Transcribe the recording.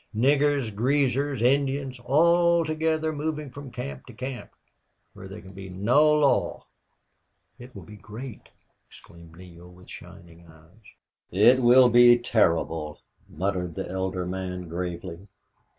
Niggers, Greasers, Indians, all together moving from camp to camp, where there can be no law." "It will be great!" exclaimed Neale, with shining eyes. "It will be terrible," muttered the elder man, gravely.